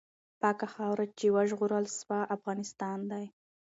پاکه خاوره چې وژغورل سوه، افغانستان دی.